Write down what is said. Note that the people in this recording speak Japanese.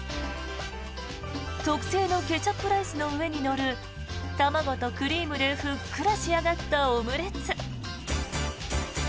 特製のケチャップライスの上に乗る卵とクリームでふっくら仕上がったオムレツ。